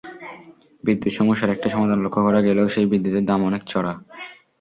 বিদ্যুৎ সমস্যার একটা সমাধান লক্ষ করা গেলেও সেই বিদ্যুতের দাম অনেক চড়া।